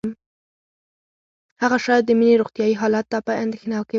هغه شاید د مينې روغتیايي حالت ته په اندېښنه کې وه